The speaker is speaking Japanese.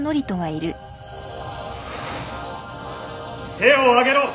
手を上げろ。